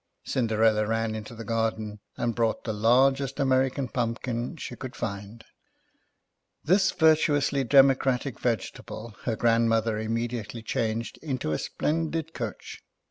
Cinderella ran into the garden, and brought Charles Dickens.] FRAUDS ON THE FAIRIES. 99 the largest American Pumpkin she could find. This virtuously democratic vegetable her grandmother immediately changed into a splendid coach.